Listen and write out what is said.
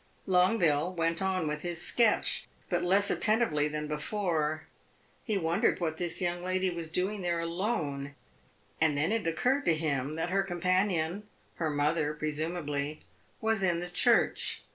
Longueville went on with his sketch, but less attentively than before. He wondered what this young lady was doing there alone, and then it occurred to him that her companion her mother, presumably was in the church.